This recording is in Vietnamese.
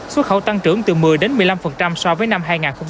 xuất khẩu tăng trưởng từ một mươi đến một mươi năm so với năm hai nghìn hai mươi ba